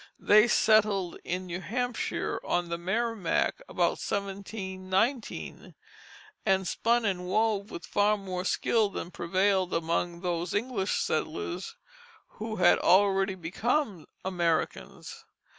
They settled in New Hampshire on the Merrimac about 1719, and spun and wove with far more skill than prevailed among those English settlers who had already become Americans.